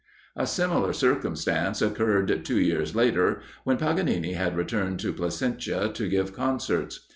_] A similar circumstance occurred two years later, when Paganini had returned to Placentia to give concerts.